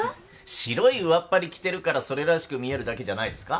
白い上っ張り着てるからそれらしく見えるだけじゃないですか？